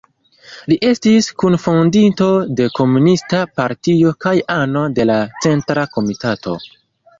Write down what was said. Li estis kunfondinto de komunista partio kaj ano de la centra komitato.